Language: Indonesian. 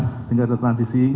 sehingga ada transisi